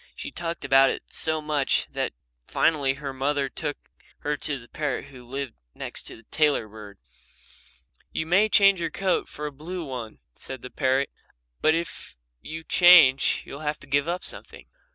She talked about it so much that finally her mother took her to the parrot who lived next to the tailor bird. "You may change your coat for a blue one," said the parrot, "but if you change you'll have to give up something."